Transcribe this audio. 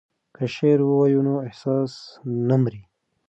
که شعر ووایو نو احساس نه مري.